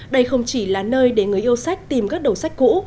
đây không chỉ là nơi để người yêu sách tìm các đầu sách cũ